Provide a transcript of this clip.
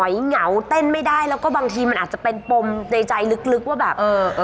แล้วก็รู้สึกว่าแบบ